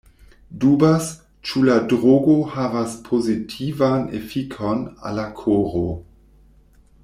Dubas, ĉu la drogo havas pozitivan efikon al la koro.